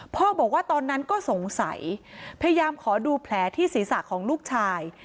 พ่อบอกว่าตอนนั้นก็สงสัยพยายามขอดูแผลที่ศีรษะของลูกชาย